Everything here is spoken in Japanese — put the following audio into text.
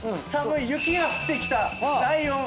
雪が降ってきたライオン。